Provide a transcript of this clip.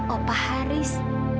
oh pak haris